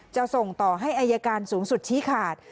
จะส่งต่อให้อายการสูงสุดชี้ขาด